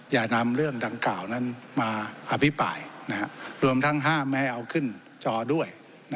อย่านำเรื่องดังกล่าวนั้นมาอภิปรายรวมทั้งห้ามไม่ให้เอาขึ้นจอด้วย